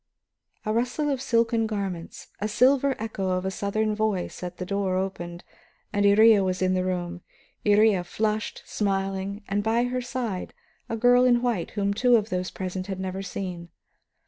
A rustle of silken garments, a silver echo of a southern voice as the door opened, and Iría was in the room, Iría, flushed, smiling, and by her side a girl in white whom two of those present had never seen.